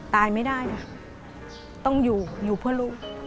ตายไม่ได้จ้ะต้องอยู่อยู่เพื่อลูก